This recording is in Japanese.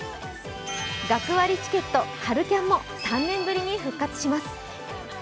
学割チケット・春キャンも３年ぶりに復活します。